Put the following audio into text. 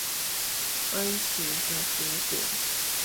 分詞的結果